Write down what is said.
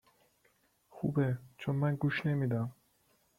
خوبه چون من گوش نمیدم